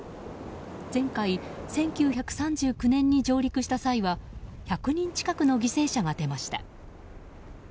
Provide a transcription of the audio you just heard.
前回、１９３９年に上陸した際は１００人近くの犠牲者が出ました。